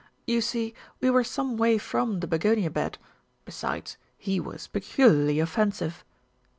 "You see, we were some way from the begonia bed; besides, he was peculiarly offensive."